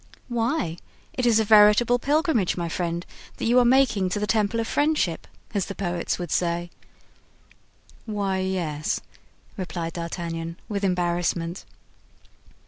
"Why, it is a veritable pilgrimage, my dear friend, that you are making to the Temple of Friendship, as the poets would say." "Why, yes," replied D'Artagnan, with embarrassment.